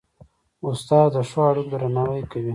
استاد د ښو اړيکو درناوی کوي.